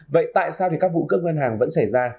vậy tại sao thì các vụ cướp ngân hàng vẫn xảy ra